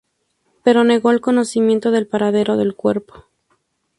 Pero negó el conocimiento del paradero del cuerpo.